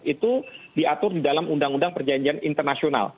itu diatur di dalam undang undang perjanjian internasional